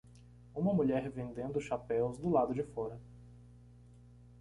Uma mulher vendendo chapéus do lado de fora.